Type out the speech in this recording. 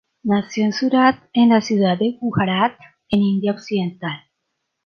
Nació en Surat, en la ciudad de Gujarat en India occidental.